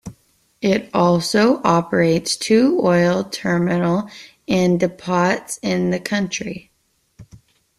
It also operates two oil terminal and depots in the country.